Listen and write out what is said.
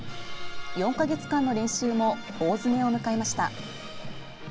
４か月間の練習も大詰めを迎えました。